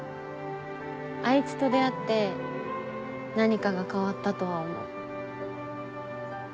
あいつと出会って何かが変わったとは思う。